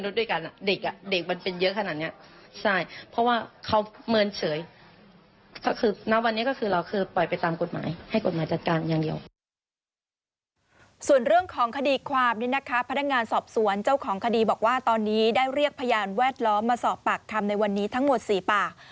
ส่วนเรื่องของคดีความนี้นะคะพนักงานสอบสวนเจ้าของคดีบอกว่าตอนนี้ได้เรียกพยานแวดล้อมมาสอบปากคำในวันนี้ทั้งหมด๔ปาก